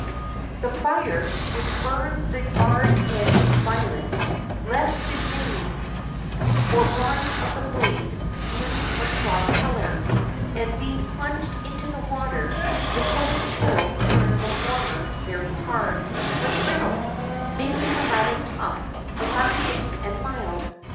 The fire, which burned the bared edge violet, left the mune, or body of the blade, blue or straw color; and being plunged into the water, the sudden chill turned the former very hard, but brittle, making the latter tough, elastic, and "mild."